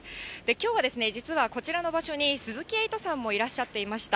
きょうはですね、実はこちらの場所に、鈴木エイトさんもいらっしゃっていました。